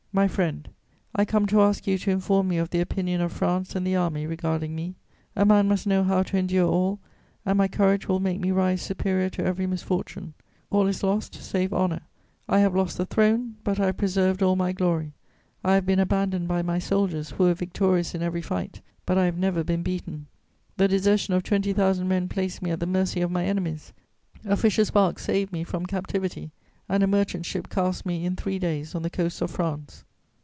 "My friend, I come to ask you to inform me of the opinion of France and the army regarding me. A man must know how to endure all and my courage will make me rise superior to every misfortune. All is lost save honour; I have lost the throne, but I have preserved all my glory; I have been abandoned by my soldiers, who were victorious in every fight, but I have never been beaten. The desertion of twenty thousand men placed me at the mercy of my enemies; a fisher's bark saved me from captivity, and a merchant ship cast me in three days on the coasts of France."